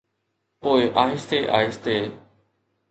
پوءِ آهستي آهستي.